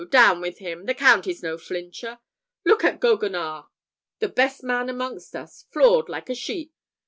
down with him! the Count is no flincher; look at Goguenard, the best man amongst us, floored like a sheep!"